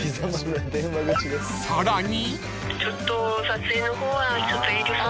［さらに］